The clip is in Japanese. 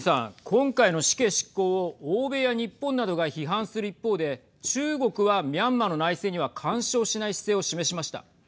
今回の死刑執行を欧米や日本などが批判する一方で中国は、ミャンマーの内政には干渉しない姿勢を示しました。